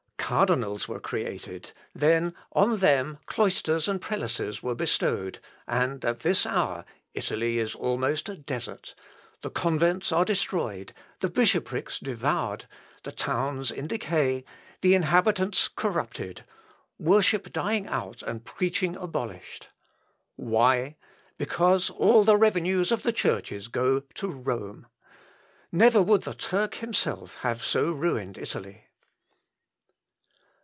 Cardinals were created; then, on them, cloisters and prelacies were bestowed, and at this hour ... Italy is almost a desert the convents are destroyed the bishopricks devoured the towns in decay the inhabitants corrupted worship dying out, and preaching abolished.... Why? Because all the revenues of the churches go to Rome. Never would the Turk himself have so ruined Italy."